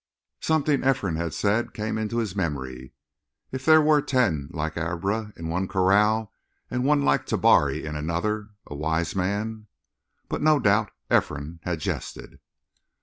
Something Ephraim had said came into his memory: "If there were ten like Abra in one corral, and one like Tabari in another, a wise man " But, no doubt, Ephraim had jested.